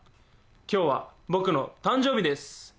今日は僕の誕生日です。